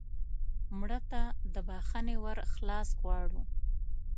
مړه ته د بښنې ور خلاص غواړو